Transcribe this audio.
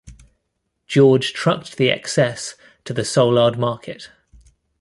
George trucked the excess to the Soulard Market.